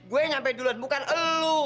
gue yang nyampe duluan bukan elu